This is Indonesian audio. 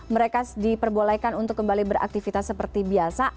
mereka diperbolehkan untuk kembali beraktivitas seperti biasa